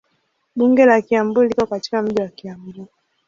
Bunge la Kiambu liko katika mji wa Kiambu.